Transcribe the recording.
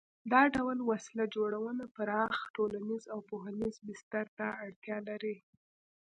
دا ډول وسله جوړونه پراخ ټولنیز او پوهنیز بستر ته اړتیا لري.